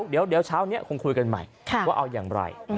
เดี๋ยวเช้านี้คงคุยกันใหม่ว่าเอาอย่างไร